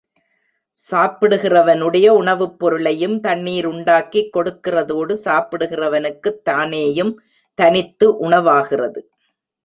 சாப்பிடுகிறவனுடைய உணவுப் பொருளையும் தண்ணீர் உண்டாக்கிக் கொடுக்கிறதோடு சாப்பிடுகிறவனுக்குத் தானேயும் தனித்து உணவாகிறது.